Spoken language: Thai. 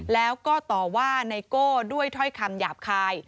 แล้วก็ต่อว่าไนโก้ด้วยถ้อยคำหยาบคาย